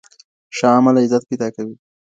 ښه عمل عزت پيدا کوي.